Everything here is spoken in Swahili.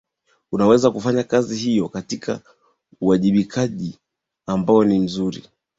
waweze kufanya kazi hiyo katika uwajibikaji ambao ni mzuri